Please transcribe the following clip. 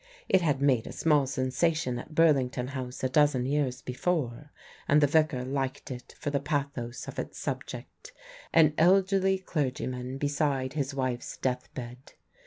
It had made a small sensation at Burlington House a dozen years before; and the Vicar liked it for the pathos of its subject an elderly clergyman beside his wife's deathbed.